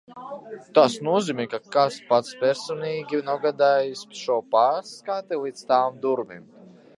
Tas nozīmē, ka kāds pats personīgi nogādājis šo pastkarti līdz tavām durvīm?